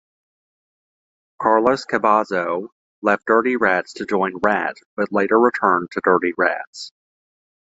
Carlos Cavazo left Dirty Rats to join Ratt, but later returned to Dirty Rats.